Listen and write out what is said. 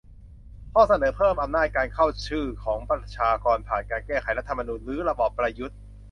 ข้อเสนอเพิ่มอำนาจการ "เข้าชื่อ" ของประชาชน ผ่านการ แก้รัฐธรรมนูญ รื้อระบอบประยุทธ์